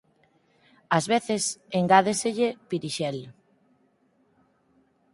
Ás veces engádeselle pirixel.